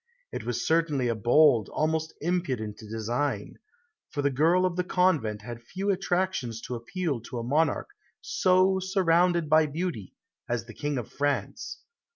It was certainly a bold, almost impudent design; for the girl of the convent had few attractions to appeal to a monarch so surrounded by beauty as the King of France.